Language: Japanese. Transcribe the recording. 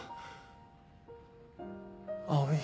葵。